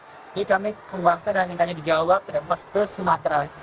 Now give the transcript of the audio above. jadi kami kembangkan dan yang hanya di jawa terima ke sumatera